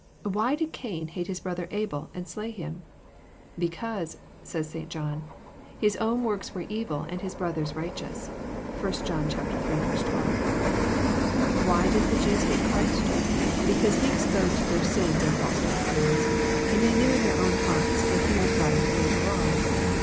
Why did Cain hatejiis brother Abel, and slay him? "Because," says St. John, "Jiis^own works were evil, and his broth<^'s righteous." (1 John iii. 12.) Why did the Jews hate Christ? Because He exposed their sins and false doctrines ; and they knew in their own hearts that he was right and they were wrong.